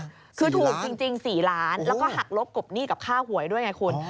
คือถูกจริง๔ล้านแล้วก็หักลบกบหนี้กับค่าหวยด้วยไงคุณ